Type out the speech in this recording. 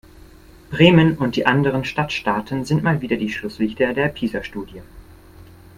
Bremen und die anderen Stadtstaaten sind mal wieder die Schlusslichter der PISA-Studie.